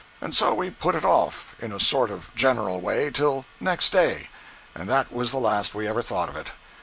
And so we put it off, in a sort of general way, till next day—and that was the last we ever thought of it.